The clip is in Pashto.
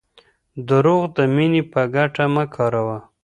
دروغ د مینې په ګټه مه کاروه.